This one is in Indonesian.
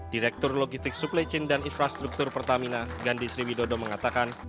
direktur logistik suplecin dan infrastruktur pertamina gandhi sriwidodo mengatakan